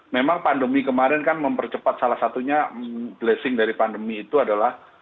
memang pandemi kemarin kan mempercepat salah satunya blessing dari pandemi itu adalah